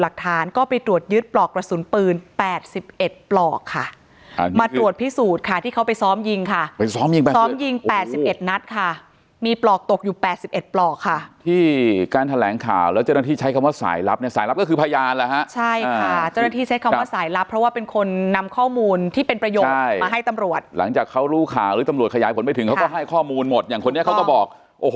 เขาไปซ้อมยิงค่ะไปซ้อมยิงซ้อมยิงแปดสิบเอ็ดนัดค่ะมีปลอกตกอยู่แปดสิบเอ็ดปลอกค่ะที่การแถลงข่าวแล้วเจ้าหน้าที่ใช้คำว่าสายลับเนี้ยสายลับก็คือพยานแหละฮะใช่ค่ะเจ้าหน้าที่ใช้คำว่าสายลับเพราะว่าเป็นคนนำข้อมูลที่เป็นประโยคมาให้ตำรวจหลังจากเขารู้ข่าวหรือตำรวจข